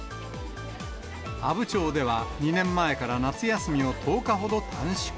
阿武町では、２年前から夏休みを１０日ほど短縮。